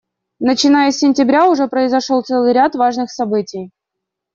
Начиная с сентября уже произошел целый ряд важных событий.